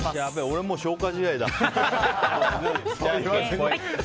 俺もう消化試合だ。